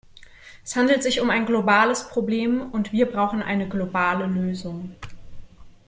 Es handelt sich um ein globales Problem, und wir brauchen eine globale Lösung.